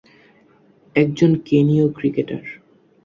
একজন কেনীয় ক্রিকেটার।